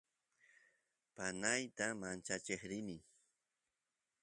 panayta manchachiy rini